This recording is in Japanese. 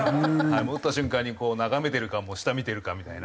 打った瞬間に眺めてるか下見てるかみたいな。